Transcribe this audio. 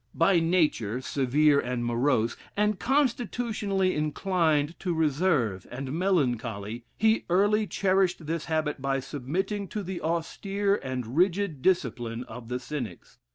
By nature severe and morose, and constitutionally inclined to reserve and melancholy, he early cherished this habit by submitting to the austere ami rigid discipline of the Cynics.